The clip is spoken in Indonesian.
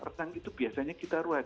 renang itu biasanya kita ruas